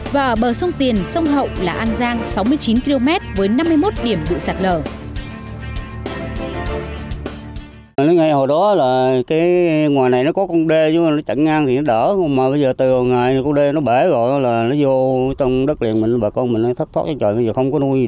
và bờ sông tiền sông hậu là an giang sáu mươi chín km với năm mươi một điểm bị sạt lở